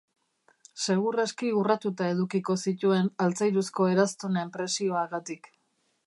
Segur aski urratuta edukiko zituen, altzairuzko eraztunen presioagatik.